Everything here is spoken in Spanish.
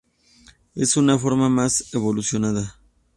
Es una forma más evolucionada.